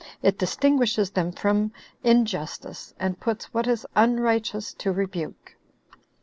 It distinguishes them from injustice, and puts what is unrighteous to rebuke."